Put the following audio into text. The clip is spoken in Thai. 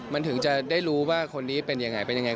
มันถึงจะได้รู้ว่าคนนี้เป็นยังไงเป็นยังไง